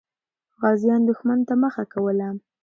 غازیان دښمن ته مخه کوله.